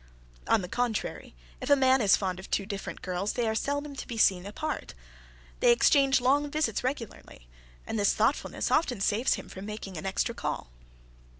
On the contrary, if a man is fond of two different girls, they are seldom to be seen apart. They exchange long visits regularly and this thoughtfulness often saves him from making an extra call.